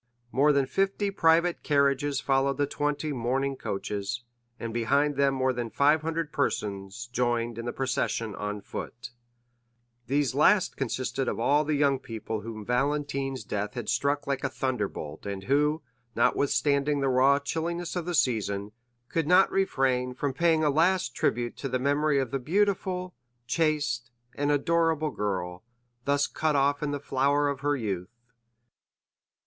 More than fifty private carriages followed the twenty mourning coaches, and behind them more than five hundred persons joined in the procession on foot. 50117m These last consisted of all the young people whom Valentine's death had struck like a thunderbolt, and who, notwithstanding the raw chilliness of the season, could not refrain from paying a last tribute to the memory of the beautiful, chaste, and adorable girl, thus cut off in the flower of her youth.